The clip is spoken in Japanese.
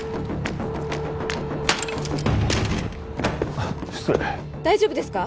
あっ失礼大丈夫ですか？